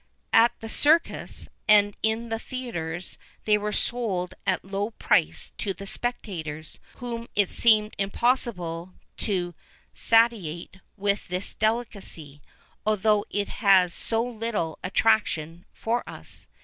[VIII 31] At the Circus, and in the theatres, they were sold at a low price to the spectators, whom it seemed impossible to satiate with this delicacy, although it has so little attraction for us.